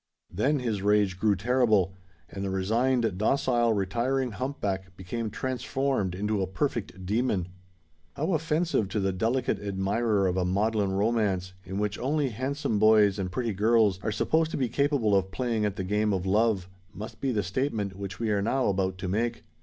Then his rage grew terrible; and the resigned, docile, retiring hump back became transformed into a perfect demon. How offensive to the delicate admirer of a maudlin romance, in which only handsome boys and pretty girls are supposed to be capable of playing at the game of Love, must be the statement which we are now about to make.